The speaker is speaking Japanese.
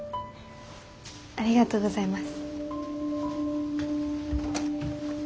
ありがとうございます。